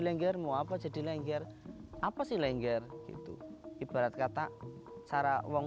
langer mau apa jadi lengger apa silengger itu ibarat kata cara wong